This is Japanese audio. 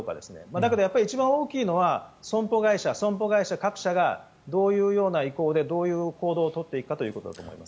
だけど一番大きいのは損保会社各社がどういうような意向でどういう行動を取っていくかだと思います。